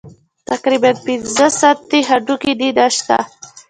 تقريباً پينځه سانتۍ هډوکى دې نشته.